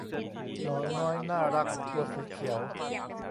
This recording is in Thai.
หนอนน้อยน่ารักตัวสีเขียว